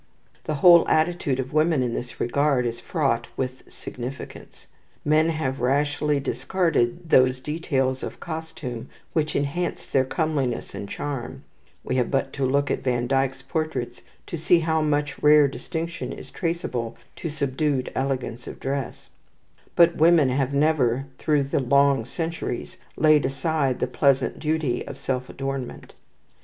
The whole attitude of women in this regard is fraught with significance. Men have rashly discarded those details of costume which enhanced their comeliness and charm (we have but to look at Van Dyck's portraits to see how much rare distinction is traceable to subdued elegance of dress); but women have never through the long centuries laid aside the pleasant duty of self adornment.